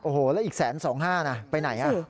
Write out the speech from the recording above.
โอ้โฮแล้วอีก๑๒๕๐๐๐บาทไปไหน